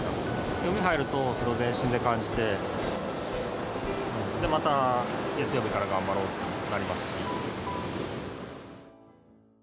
海入るとそれを全身で感じてでまた月曜日から頑張ろうとなります。